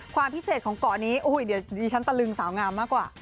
ความพิเศษของเกาะนี้เดี๋ยวดิฉันตะลึงสาวงามมากกว่า